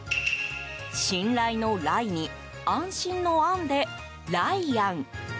信頼の「頼」に安心の「安」でライアン。